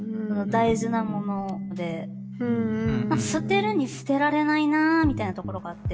捨てるに捨てられないなみたいなところがあって。